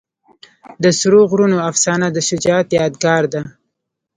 د سرو غرونو افسانه د شجاعت یادګار ده.